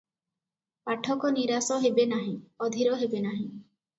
ପାଠକ ନିରାଶ ହେବେ ନାହିଁ, ଅଧିର ହେବେ ନାହିଁ ।